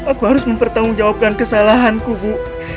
aku harus mempertanggungjawabkan kesalahanku bu